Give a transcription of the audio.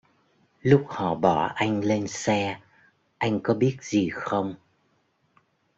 Lúc họ bỏ anh lên xe anh có biết gì không